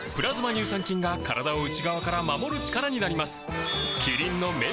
乳酸菌が体を内側から守る力になります